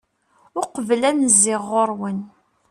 uqbel ad n-zziɣ ɣur-wen